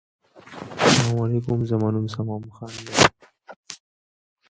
The majority of housing within the suburb is detached, with a minority of townhouses.